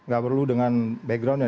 gak perlu dengan backgroundnya